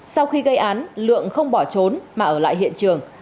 sau khi gây án lượng không bỏ trốn mà ở lại hiện trường